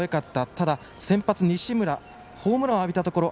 ただ、先発、西村ホームランを浴びたところ。